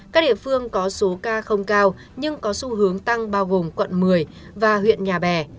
các địa phương có số ca không cao nhưng có xu hướng tăng bao gồm quận một mươi và huyện nhà bè